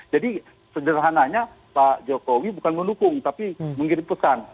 jadi sederhananya pak jokowi bukan mendukung tapi mengirim pesan